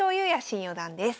新四段です。